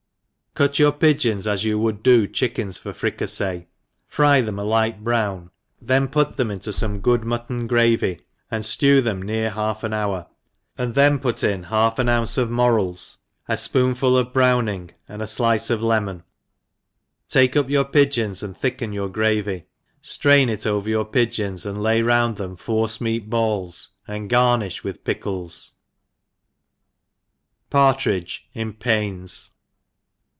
CUT your pigeons as you would do chick ens for fricaflee, fry them a light brown, then put them into fome good mutton gravy, and ftew them near half an hour, and then put in half an ounce of morels, a fpoonful of browning, and a nice of lemon, take up your pigeons, and thicken your gravy, ftrain it over your pigeons, and lay round them forcemeat balls, and garnifh with pickles. Partridge iu panes.